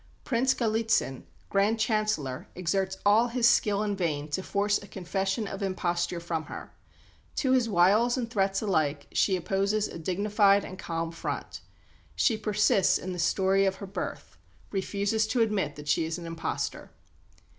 Prince Galitzin, Grand Chancellor, exerts all his skill in vain to force a confession of imposture from her. To his wiles and threats alike she opposes a dignified and calm front. She persists in the story of her birth; refuses to admit that she is an impostor.